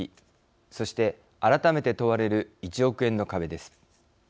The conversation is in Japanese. そして改めて問われる１億円の壁です。